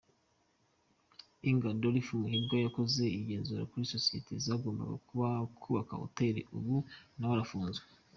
Eng Adolphe Muhirwa wakoze igenzura kuri sosiye zagombaga kubaka Hoteli, ubu na we arafunzwe